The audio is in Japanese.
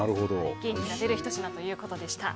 元気が出るひと品ということでした。